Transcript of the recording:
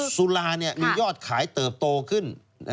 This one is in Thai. สุรามียอดขายเติบโตขึ้น